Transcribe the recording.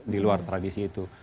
diluar tradisi itu